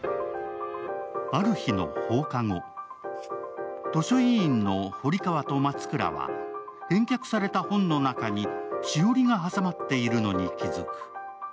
ある日の放課後、図書委員の堀川と松倉は返却された本の中に栞が挟まっているのに気づく。